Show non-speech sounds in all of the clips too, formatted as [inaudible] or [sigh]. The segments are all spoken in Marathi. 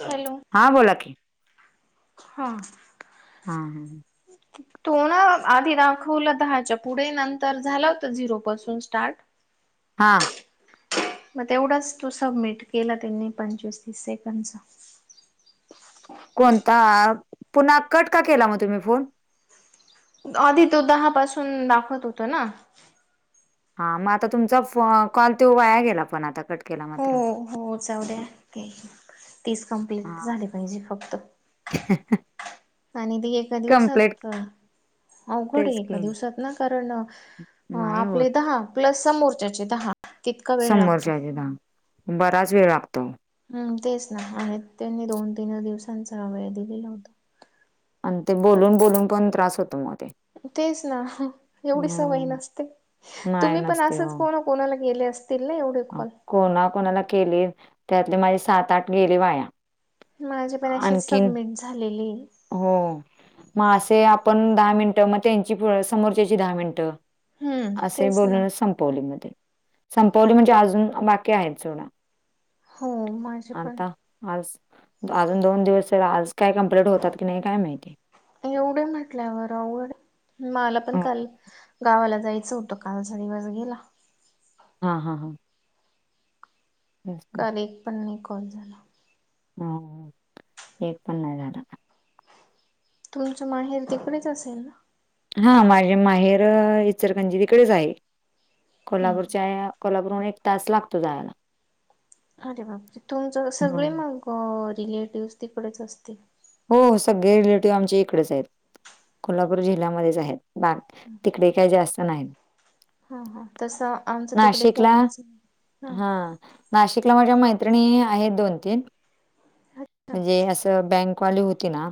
हॅलो. हा बोला की. हा. हा हा ह ह् [inaudible] तो न आधी दाखवला दहाच्या पुढे नंतर झालं होत झिरो पासून स्टार्ट हा मग तेवढंच तू सबमिट केला त्यांनी पंचवीस तीस सेकंदच. कोणता पुन्हा कट का केला मग तुम्ही फोन? आधी तो दहा पासून दाखवत होतो ना हां मग आता तुमचा फ कॉल तो वाया गेला पण आता कट केला मात्र. हो हो जाउद्या ते तीस कम्प्लीट हा झाली पाहिजे फक्त. आणि ते एका कम्प्लेट दिवसात अवघड ए तेच एका की दिवसात ना कारण नाही होत आपले दहा प्लस समोरच्याचे दहा तितका वेळ लागतो समोरच्याचे दहा बराच वेळ लागतो. हम्म तेच ना आणि त्यांनी दोन तीन दिवसांचा वेळ दिलेला होता. अन ते बोलून बोलून पण त्रास होतो म ते तेच ना एवढी सवय हम्म नसते नाही तुम्ही पण नसते हो असंच कोण कोणाला गेले असतील ना एवढे कॉल? कोणा कोणाला केले त्यातले माझे सात आठ गेले वाया. माझे पण अशेच आणखीन सबमिट झालेले हो मग असे आपण दहा मिनिटं मग त्यांची समोरच्याची दहा मिनटं हम्म असे तेच ना. बोलून संपवले मग ते. संपवली म्हणजे अजून बाकी आहेत सोडा हो माझे पण आता आज अजून दोन दिवस आज काय कम्प्लीट होतात की नाही काय माहिती. एवढे म्हटल्यावर अवघड मला पण अ, काल गावाला जायचं होतं कालचा दिवस गेला. हा हा हा. हम् [inaudible] काल एक पण नाही कॉल झाला. हम् एक पण नाही झाला. तुमचं माहेर तिकडेच असेल ना? हा माझे माहेर इचरकंरजी इकडेच आहे हम्म कोल्हापूरच्या कोल्हापूर उन एक तास लागतो जायला. अरे बाप रे तुमचं सगळे हं. मग रिलेटिव्हस तिकडेच असतिल? हो सगळे रिलेटिव्हज आमचे इकडेच आहेत कोल्हापूर जिल्ह्यामध्येच आहेत बा हम् [inaudible] तिकडे काही जास्त नाही. हा हा तस आमच तिकडे नाशिकला कोणीच नाही हा हा नाशिकला माझ्या मैत्रिणी आहेत दोन तीन अच्छा हम्म म्हणजे असं बँक वाली होती ना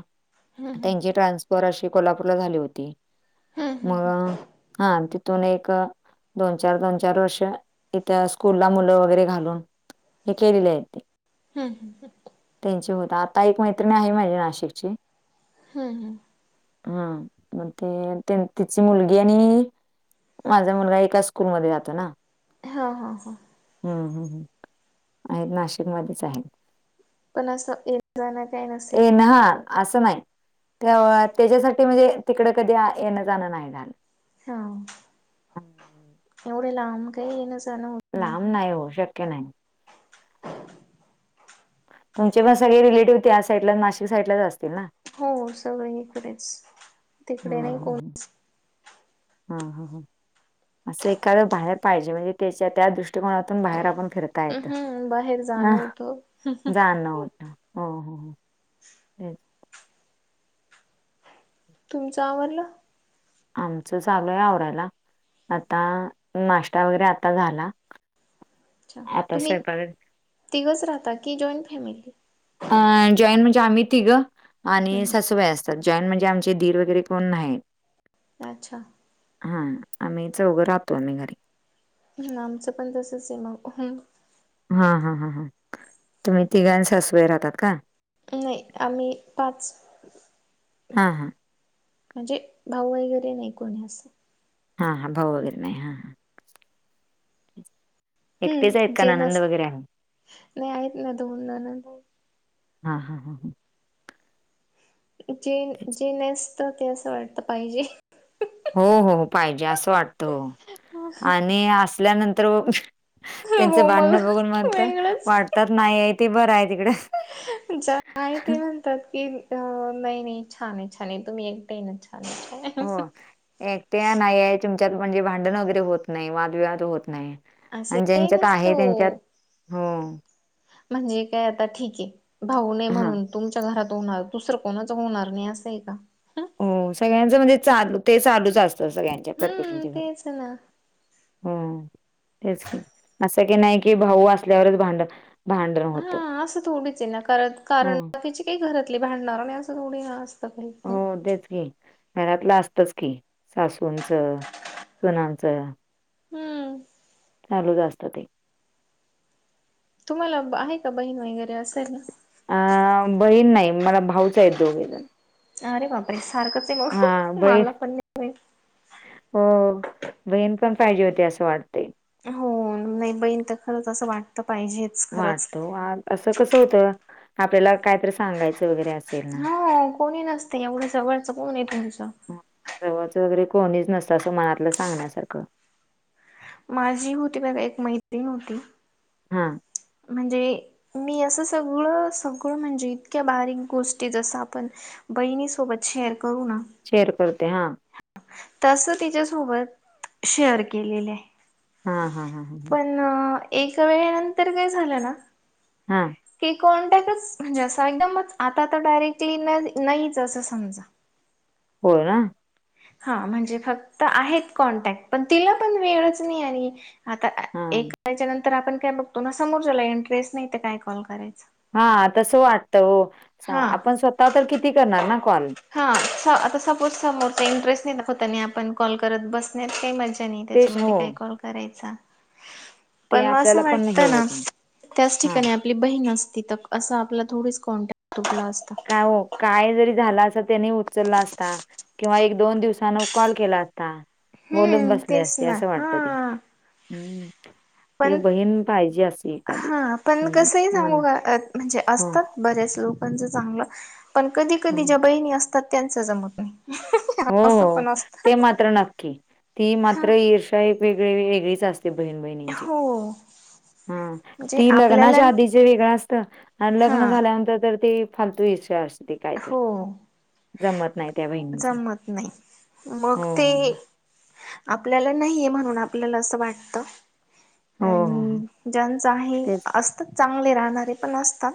हम्म. त्यांची ट्रान्सफर अशी कोल्हापूरला झाली होती. हम्म हम्म मग हा तिथून एक दोन चार दोन चार वर्ष इथ स्कूल ला मुलं वगैरे घालून हे केलेले आहेत ते. हम् हम ह. त्यांचे होत आता एक मैत्रिणी आहे माझी नाशिकची. हम् हम. हा म्हण ते तिची मुलगी आणि माझा मुलगा एका स्कूलमध्ये जातो ना. हा हा हा. हम् हम् ह आहेत नाशिकमध्येच आहेत. पण असं जा आहे. येन हा. असं नाही ते त्याच्यासाठी म्हणजे तिकड कधी येणं जाणं नाही झाल. हा एवढे लांब काही येन जाण होत लांब नाही हो शक्य नाही. तुमचे पण सगळे रिलेटिव्ह त्या साईडला नाशिक साईडलाच असतील ना. हो सगळ इकडेच तिकडे नाही कोण ह ह असं एखादं बाहेर पाहिजे म्हणजे त्याच्या त्या दृष्टिकोनातून बाहेर आपण फिरत. काय त हम्म बाहेर जाणं होतं जाण होतं. हो हो हो तेच, तुमच आवरलं? आमचं चागलय आवरायला, आता नाश्ता वगैरे आता झाला. अच्छा आता तुम्ही स्वयंपाक तिघच राहता की जॉईंट फॅमिली? अ जॉईन म्हणजे आम्ही तिघ हम्म, आणि हम्म. सासूबाई जॉईनट म्हणजे आमचे दिर वगैरे कोण नाहीत. अच्छा. हा आम्ही चौघं राहतो आम्ही घरी ह आमचं पण तसचा मग. हा हा हा हा तुम्ही तिघ आणि सासूबाई राहतात का? नाही आम्ही पाच हां, हां. म्हणजे भाऊ वगैरे नाही कोणी असं. हा हा भाऊ वैगरे नाही हा हा. एकटेच आहेत हम्म का जे ननंद नस वगैरे आहे? नाही आहेत ना दोन जण हा हा हा ह. जेन तेच. जे नसत ते असं वाटत पाहिजे. हो हो पाहिजे असं वाटत आणि असल्यानंतर हो त्यांचं मग भांडणं बघून म वेगळंच वाटत नाही आहे ते बरं आहे तिकडे ज आहे ते म्हणतात की अ नाही नाही छान आहे छान आहे तुम्ही एकट ये ना छान आहे छान हो आहे एकटे नाही आहे तुमच्यात म्हणजे भांडण वगैरे होत नाही वादविवाद होत नाही. असं आणि काही ज्यांच्यात नसत आहे ओ. त्यांच्यात हो म्हणजे काय आता ठीक आहे भाऊ नही हा म्हणून तुमच्या घरात होणार दुसरं कोणाच होणार नाही असंय का? हो सगळ्यांचं म्हणजे चालू ते चालूच असतं सगळ्यांच्या प्रत्येक का हम्म च्या घरी. तेच ना हो तेच क असं की नाही कि भाऊ असल्यावरच भांड भांडण होतं हा असं थोडीच आहे ना कार हो. कारकीची काही घरातली भांडणार आणि असं थोडी अस हो तेच की, घरतलं असतच की सासूंचं, मुलाच. हम्म. चालू चा असत ते. तुम्हाला आहे का बहीण वगैरे असेल ना. अ बहीण नाही मला भाऊच आहे दोघे जण अरे बापरे सारखंच आहे हा मग बहीण मला पण नाही माहित. हो बहीण पण पाहिजे होते असं वाटते हो नाही बहीण तर खरंच असं वाटत पाहिजे वाटतो असं कसं होतं आपल्याला कायतरी सांगायचं वगैरे अस हा कोणी नसते एवढं जवळचं कोण आहे तुमचं? जवळच वगैरे कोणीच नसतं असं मनातलं सांगण्यासारखं माझी होती ब बाई एक मैत्रीण होती हा. म्हणजे मी असं सगळं सगळं म्हणजे इतक्या बारीक गोष्टी जसं आपण बहिणी सोबत शेअर करू ना शेअर करते हा. तस तिच्यासोबत शेअर केलेले आहे. हा हा हा ह पण एक वेळे नंतर काय झालं ना हम की कोॉन्टॅक्टच म्हणजे असं एकदमच आता तर डायरेक्टली नाहीच असं समजा होय ना? हा म्हणजे फक्त आहेत कॉन्टॅक्ट पण तिला पण वेळच नाही आणि आता हा एक करायच्या नंतर आपण काय बघतो ना समोर झाला इंटरेस्ट नाही तर काय कॉल करायच हा तसं वाटतं हो हा आपण स्वतः तर किती करणार ना कॉल? हा स आता सपोज समोर काही इंटरेस्ट नाही दाखवता नाही आपण कॉल करत बसण्यात काही मज तेच त्याच्यामध्ये हो काही कॉल करायचा ते पण मग आपल्याला असं पण हे वाटतं होत ना नाही त्याच हा ठिकाणी आपली बहीण असती तर असं आपला थोडीच कॉन्टॅक्ट तूटला असत? काय हो काय जरी झालं असं त्याने उचलला असता किंवा एक दोन दिवसान कॉल केला असता बोलून हम्म बसले तेच असते असं वाटत ते हम्म ह [inaudible] ते पण बहीण पाहिजे असे एखादी हा पण म्हणजे कसही सांगू मना का म्हणजे हो असतात बरेच लोक पच चांगलं पण कधी कधी ज्या बहिणी असतात त्यांच जमत नाही हो असं हो पण असत ते मात्र नक्की ती मात्र ईर एक वेगळी वेगळीच असते बहीण बहिणी हो हा म्हणजे ती आपल्याला लग्नाच्या आधीच वेगळं असतं आणि हा लग्न झाल्यानंतर तर ते फालतू ईर्षा असते काय तर हो जमत नाही त्या बहिणीचा जमत नाही मग हो ते हो आपल्याला नाहीये म्हणून आपल्याला असं वाटत हो हो हो, हो. आणि ज्यांच आहे तेच असतात चांगले राहणारे पण असतात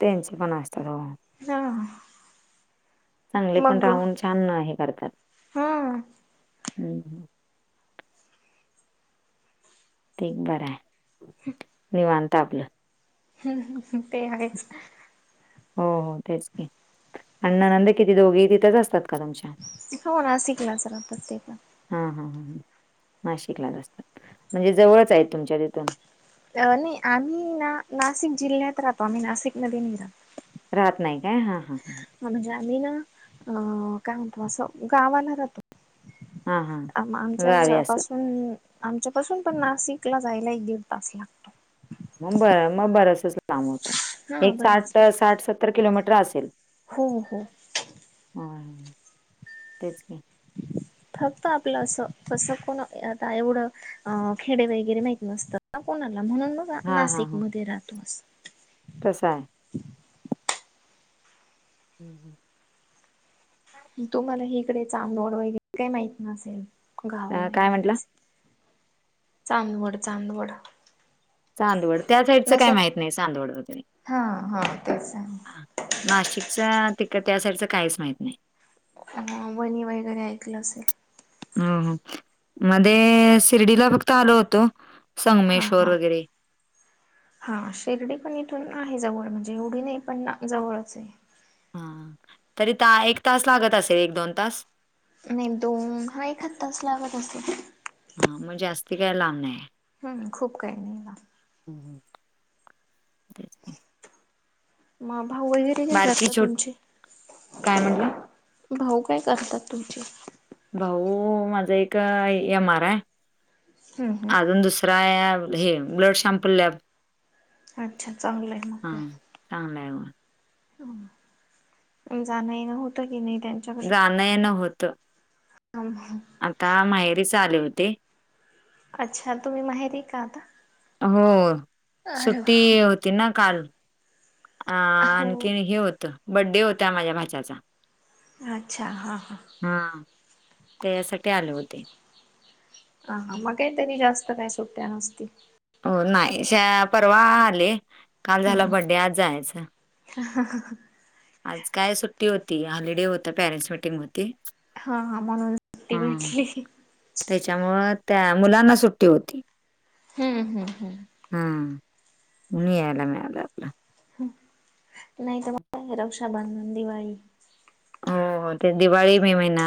त्यांनच पण असत हो हा चांगले पण मग राहुन छान हे करतात हा ह् ते बर आहे. हम निवांत आपलं ह् ते आहेच हो हो तेच की आणी ननंद किती दोघे तिथेच असतात का तुमच्या? हो नाशिकलाच राहतात ते पण. हां हां ह नाशिकलाच राहतात म्हणजे जवळच आहेत तुमच्या तिथून अ नाही आम्ही ना नाशिक जिल्ह्यात राहतो आम्ही नाशिकमध्येन नाही राहत राहत नाही काय हा हा ह ह म्हणजे आम्ही ना अ काय म्हणतो असं गावाला राहतो हां हां आ गावी असं आमच्यापासून आमच्या पाासून पण नाशिकला जायला एक दीड तास लागतो. मग बर मग बरस च लांब होतं हा एक बरंच साठ, साठ, सत्तर किलोमीटर असेल. हो हो ह तेच की [inaudible] फक्त आपलं असं कसं कोण आता एवढं अ खेडे वगैरे माहिती नसतं. ह कोणाला म्हणून मग नाशिक मध्ये राहतोस कसा आहे हम् हम तुम्हाला ह इकडे चांदवड वगैरे काही माहित नसेल गाव अ, काय म्हंटला वगैरेच चांदवड, चांदवड चांदवड त्या साईडच काय नसेल माहित नाही चांदवड वगैरे. हा हा तेच नाशिकच तिक त्या साईडचं काहीच माहीत नाही. ह वणी वगैरे ऐकलं असेल हो मध्ये शिर्डीला फक्त आलो होतो. हा संगमेश्वर हा वगैरे हा शिर्डी पण इथून आहे जवळ म्हणजे एवढी नाही पण जवळच आहे हा तरी त एक तास लागत असेल, एक दोन तास. नाही दोन ह एखाद तास लागत असेल. हा मग जास्ती काय लांब नाहीय. हम्म खूप काही नाही लांब. हम् हम् [inaudible] मग भाऊ वगैरे ते काय बारकी करतात छोट तुमचे? काय म्हटलं भाऊ काय करतात तुमचे? भाऊ माझा एक एम आर आहे हम्म हम्म अजून दुसरा एक हे ब्लड सॅम्पल लॅब अच्छा चांगलं आहे मग हा काय चांगला आहे मग जाण येणे होत की नाही त्याचं जाण येणं होत हा आता माहेरीच आले होते. अच्छा तुम्ही माहेरी का आता? हो अरे सुट्टी होती ना काल अं हो आणखी हे होतं बड्डे होता माझ्या भाच्याचा. अच्छा हां हां हा त्यासाठी आले होते. अ हा मग काही तरी जास्त काय सुट्ट्या नसतील. हो नाही श परवा आले काल झाला बड्डे आज जायचं. हं हं आज काय सुट्टी होती. हॉलिडे होती, पॅरेंट्स मिटिंग होती. हा हा म्हणून सुट्टी भेटली त्याच्यामुळ त्या मुलांना सुट्टी होती. हम्म हम्म हम् हम् म्हणून यायला मिळालं. आपलं. नाही तर का रक्षा बंधन, दिवाळी हो हो ते दिवाळी, मे महिना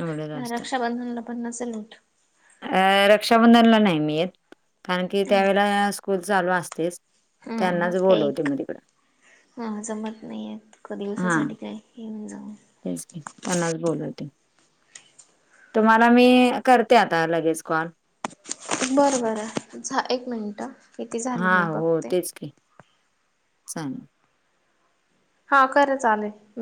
एवढंच हा असतं. रक्षाबंधनला पण नसेल होत अ रक्षाबंधनला नाही मि येत कारण की त्यावेळेला स्कूल चालू असतेच हम म त्यांनाच काय बोलवते मग तिकडं. हा जमत नाहीय का एका हां, दिवसासाठी काय येऊन जाऊन तेच त्यांनाच बोलवते तुम्हाला मी करते आता लगेच कॉल बरं बरं झा एक मिनटं किती झाले हा मी बघते सांग हा खरं चालेल